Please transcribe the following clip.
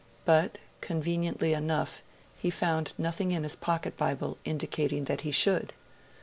But, conveniently enough, he found nothing in his pocket Bible indicating that he should.